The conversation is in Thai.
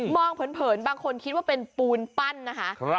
เผินบางคนคิดว่าเป็นปูนปั้นนะคะ